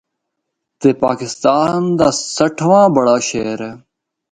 تے پاکستان دا سٹھواں بڑا شہر اے۔